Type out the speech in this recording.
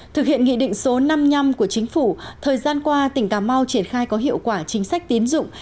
thực hiện nghị định số năm mươi năm của chính phủ thời gian qua tỉnh cà mau triển khai có hiệu quả chính sách tín dụng